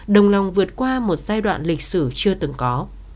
đồng lòng vượt qua một giai đoạn lịch sử chưa từng có